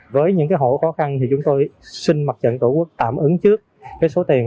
với những hộ khó khăn thì chúng tôi xin mặt trận tổ quốc tạm ứng trước số tiền